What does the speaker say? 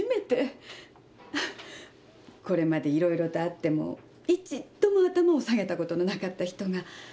これまでいろいろとあっても一度も頭を下げたことのなかった人が初めてすまなかったって。